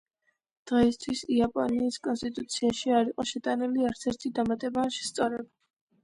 დღეისათვის იაპონიის კონსტიტუციაში არ იყო შეტანილი არც ერთი დამატება ან შესწორება.